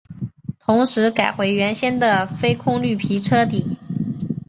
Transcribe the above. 同时改回原先的非空绿皮车底。